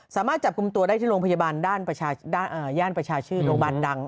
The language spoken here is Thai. สามารถจับกลุ่มตัวได้ที่โรงพยาบาลด้านย่านประชาชื่อโรงพยาบาลดัง